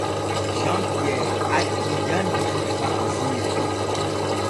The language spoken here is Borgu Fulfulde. Jean Pierre acci jande e faransiire.